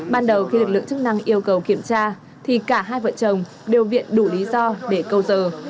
ban đầu khi lực lượng chức năng yêu cầu kiểm tra thì cả hai vợ chồng đều viện đủ lý do để câu giờ